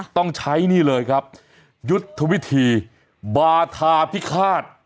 ต้องใช้นี่เลยครับยุทธวิธีบาธาพิฆาต